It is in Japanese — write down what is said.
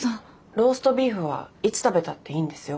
ローストビーフはいつ食べたっていいんですよ。